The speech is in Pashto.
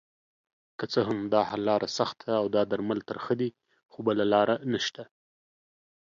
که څه هم داحل لاره سخته اودا درمل ترخه دي خو بله لاره نشته